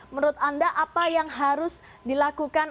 menurut anda apa yang harus dilakukan